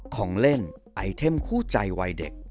ของเล่นไอเทมคู่ใจวัยเด็ก